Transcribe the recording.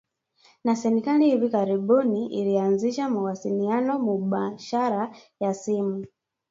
na serikali hivi karibuni ilianzisha mawasiliano mubashara ya simu